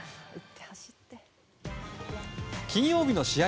金曜日の試合